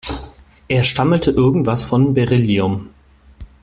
Er stammelte irgendwas von Beryllium.